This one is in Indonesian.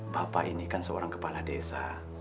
bapak ini kan seorang kepala desa